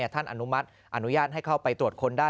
อนุมัติอนุญาตให้เข้าไปตรวจค้นได้